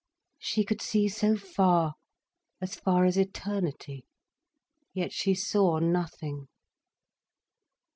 She could see so far, as far as eternity—yet she saw nothing.